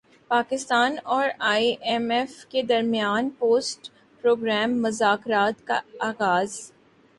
پاکستان اور I M F کے درمیان پوسٹ پروگرام مذاکرات کا اغاز